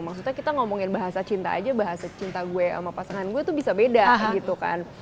maksudnya kita ngomongin bahasa cinta aja bahasa cinta gue sama pasangan gue tuh bisa beda gitu kan